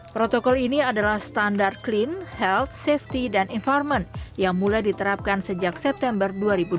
protokol ini adalah standar clean health safety dan environment yang mulai diterapkan sejak september dua ribu dua puluh